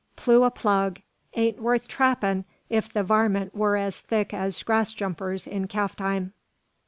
Plew a plug ain't worth trappin' if the varmint wur as thick as grass jumpers in calf time.